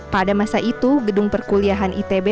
pada masa itu gedung perkuliahan itb